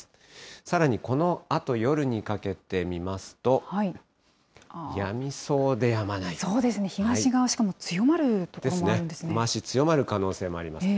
さらにこのあと夜にかけて見ますそうですね、東側、雨足、強まる可能性もあります。